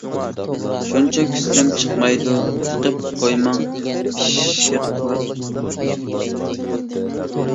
شۇنچە كۈتسەم چىقمايدۇ، تىقىپ قويماڭ پىششىقلىق.